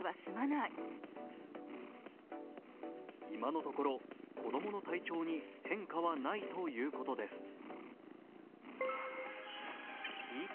今のところ、子供の体調に変化はないということです。